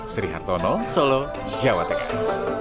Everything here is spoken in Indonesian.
sri hartono solo jawa tengah